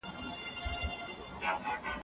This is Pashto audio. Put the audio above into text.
په غلا سره د تاریخ بدلول بد کار دی.